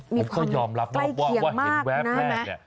ผมก็ยอมรับว่าเห็นแวบแพร่งเนี่ย